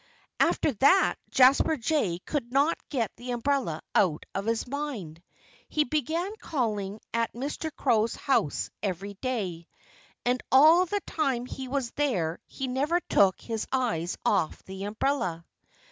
After that Jasper Jay could not get the umbrella out of his mind. He began calling at Mr. Crow's house every day; and all the time he was there he never took his eyes off the umbrella.